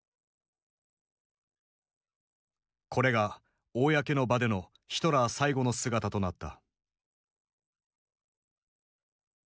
これが公の場でのヒトラー最後の姿となった。